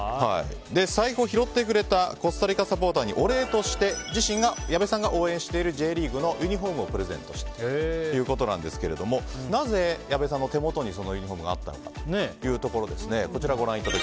財布を拾ってくれたコスタリカサポーターにお礼として矢部さんが応援しているＪリーグのチームのユニホームをプレゼントしたということなんですけどもなぜ、矢部さんの手元にそのユニホームがあったのかというところですね。